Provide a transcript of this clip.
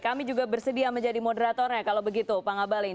kami juga bersedia menjadi moderatornya kalau begitu pak ngabalin